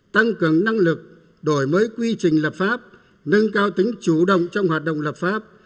tăng cường năng lực đổi mới quy trình lập pháp nâng cao tính chủ động trong hoạt động lập pháp